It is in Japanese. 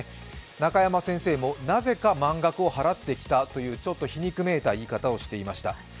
中山先生も、なぜか満額を払ってきたというちょっと皮肉めいた言い方をしていました。